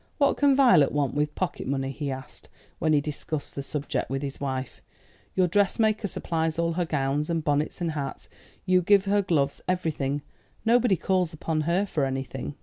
"What can Violet want with pocket money?" he asked, when he discussed the subject with his wife. "Your dressmaker supplies all her gowns, and bonnets, and hats. You give her gloves everything. Nobody calls upon her for anything."